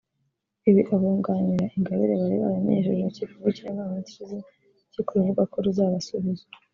Ibi abunganira Ingabire bari barabimenyesheje Urukiko rw’Ikirenga mu minsi ishize urukiko ruvuga ko ruzabasubiza